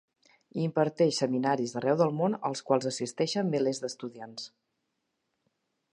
Imparteix seminaris arreu del món als quals assisteixen milers d'estudiants.